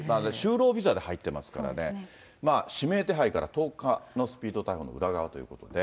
就労ビザで入ってますからね、指名手配から１０日のスピード逮捕の裏側ということで。